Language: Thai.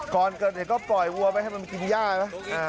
ก่อนก็ต่อยวัวไปให้มันกินย่านะ